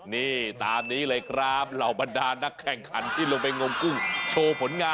นี่ตามนี้เลยครับหล่อบันดาลนักแข่งขันที่ลงไปงงกุ้ง